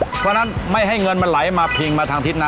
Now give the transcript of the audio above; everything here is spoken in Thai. เพราะฉะนั้นไม่ให้เงินมันไหลมาพิงมาทางทิศนั้น